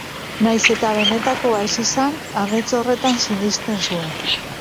Nahiz eta benetakoa ez izan, amets horretan sinisten zuen.